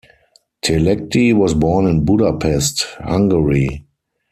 Telegdi was born in Budapest, Hungary.